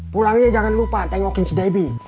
pulangnya jangan lupa tengokin si debbie